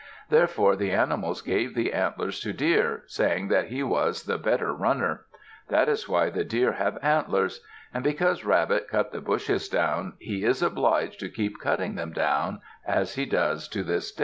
Therefore the animals gave the antlers to Deer, saying that he was the better runner. That is why deer have antlers. And because Rabbit cut the bushes down, he is obliged to keep cutting them down, as he does to this day.